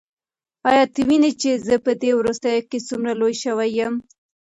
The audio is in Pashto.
ایا ته وینې چې زه په دې وروستیو کې څومره لوی شوی یم؟